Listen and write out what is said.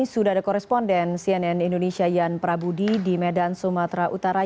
sudah ada koresponden cnn indonesia yan prabudi di medan sumatera utara